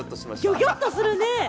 ギョギョッとするね！